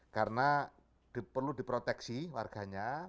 karena perlu diproteksi warganya